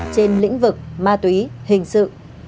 trên lĩnh vực ma túy hình sự